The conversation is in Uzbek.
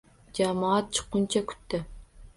Jamoat chiqkuncha kutdi.